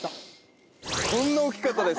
こんな大きかったです。